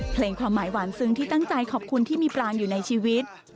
ความหมายหวานซึ้งที่ตั้งใจขอบคุณที่มีปลางอยู่ในชีวิต